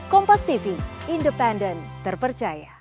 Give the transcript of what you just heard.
kompas tv independen terpercaya